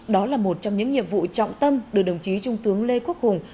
đó là một trong những nhiệm vụ trọng tâm được đồng chí trung tướng lê quốc hùng